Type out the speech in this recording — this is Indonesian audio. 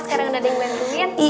sekarang ada yang bantuin